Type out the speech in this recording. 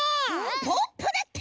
ポッポだって！